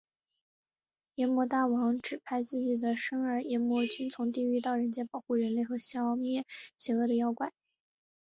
阎魔大王指派自己的甥儿炎魔君从地狱到人界保护人类和消灭邪恶的妖怪。